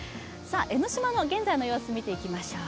江の島の現在の様子、見ていきましょう。